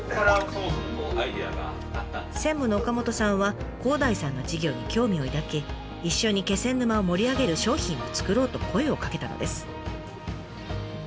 専務の岡本さんは広大さんの事業に興味を抱き一緒に気仙沼を盛り上げる商品を作ろうと声をかけたのです。